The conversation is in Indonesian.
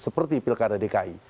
seperti pilkada dki